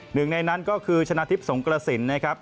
หนึ่งในนั้นก็คือชนะทิพย์สงกระสินนะครับ